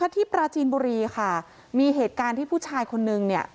ที่ปราจีนบุรีค่ะมีเหตุการณ์ที่ผู้ชายคนนึงเนี่ย